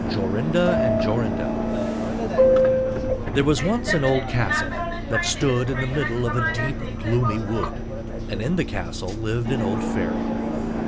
JORINDA AND JORINDEL There was once an old castle, that stood in the middle of a deep gloomy wood, and in the castle lived an old fairy.